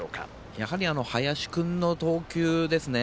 やはり林君の投球ですね。